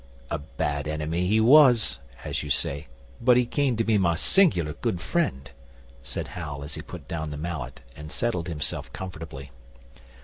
A bad enemy he was, as you say, but he came to be my singular good friend,' said Hal as he put down the mallet and settled himself comfortably.